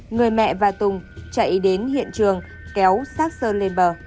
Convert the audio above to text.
người mẹ và tùng chạy đến hiện trường kéo sát sơn lên bờ